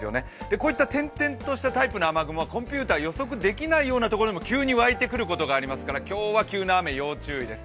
こういった点々としたタイプの雨雲はコンピューターでも予測できない所に急に湧いてくることがありますので、今日は急な雨に要注意です。